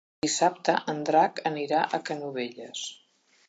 Dissabte en Drac anirà a Canovelles.